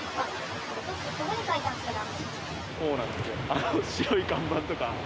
あの白い看板とか。